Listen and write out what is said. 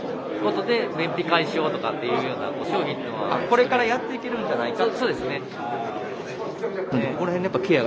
これからやっていけるんじゃないかと。